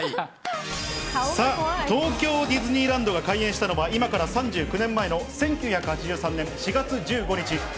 東京ディズニーランドが開園したのは、今から３９年前の１９８３年４月１５日。